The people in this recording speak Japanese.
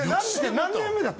何年目だって？